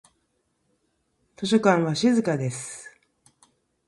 図書館は静かです。